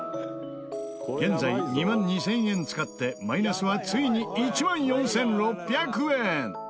現在２万２０００円使ってマイナスはついに１万４６００円！